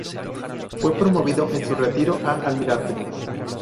Fue promovido en su retiro a almirante.